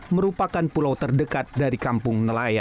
merupakan pulau terdekat dari kampung nelayan